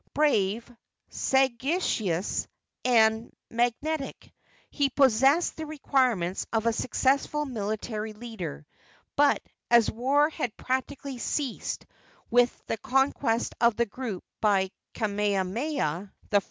Brave, sagacious and magnetic, he possessed the requirements of a successful military leader; but as war had practically ceased with the conquest of the group by Kamehameha I.